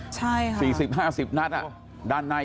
มาก๔๐๕๐ณแล้วกันอีก